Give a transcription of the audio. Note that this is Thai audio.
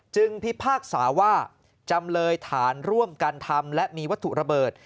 พิพากษาว่าจำเลยฐานร่วมกันทำและมีวัตถุระเบิด